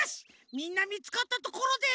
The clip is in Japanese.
みんなみつかったところで。